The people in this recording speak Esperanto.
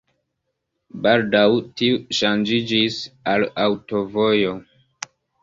Baldaŭ tiu ŝanĝiĝis al aŭtovojo.